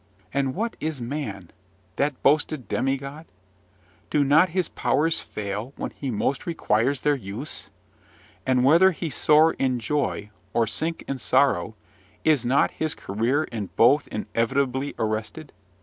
And what is man that boasted demigod? Do not his powers fail when he most requires their use? And whether he soar in joy, or sink in sorrow, is not his career in both inevitably arrested?